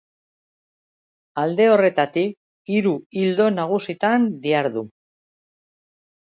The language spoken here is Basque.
Alde horretatik, hiru ildo nagusitan dihardu.